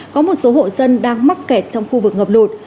có một số hộ dân đang mắc kẹt trong khu vực ngập lụt